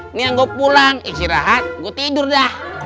ini yang gue pulang istirahat gue tidur dah